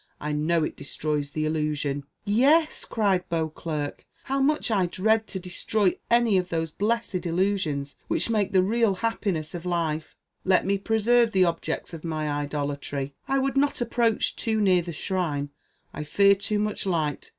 I know it destroys the illusion.'" "Yes," cried Beauclerc; "how much I dread to destroy any of those blessed illusions, which make the real happiness of life. Let me preserve the objects of my idolatry; I would not approach too near the shrine; I fear too much light.